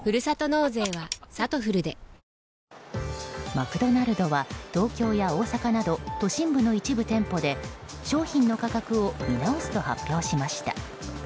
マクドナルドは東京や大阪など都心部の一部店舗で商品の価格を見直すと発表しました。